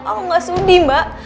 aku gak sudi mbak